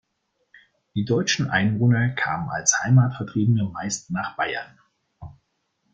Die deutschen Einwohner kamen als Heimatvertriebene meist nach Bayern.